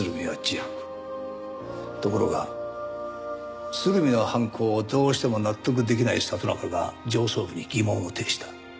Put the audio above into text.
ところが鶴見の犯行をどうしても納得できない里中が上層部に疑問を呈した。